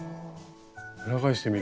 裏返してみると。